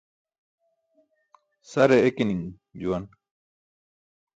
Sare eki̇ni̇ṅ juwan.